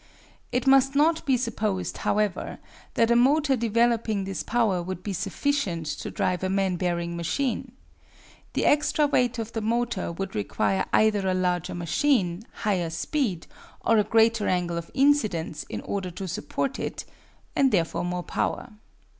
It must not be supposed, however, that a motor developing this power would be sufficient to drive a man bearing machine. The extra weight of the motor would require either a larger machine, higher speed, or a greater angle of incidence in order to support it, and therefore more power.